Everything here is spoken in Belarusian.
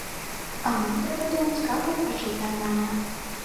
А нам трэба думаць, каб адпачыць нармальна.